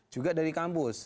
juga dari kampus